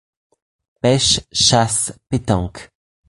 Pêche, chasse, pétanque,